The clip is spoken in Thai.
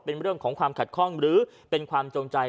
เป็นเรื่องของความขัดข้องหรือเป็นความจงใจ